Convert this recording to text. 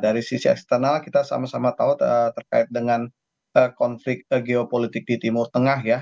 dari sisi eksternal kita sama sama tahu terkait dengan konflik geopolitik di timur tengah ya